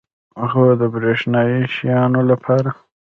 هو، د بریښنایی شیانو لپاره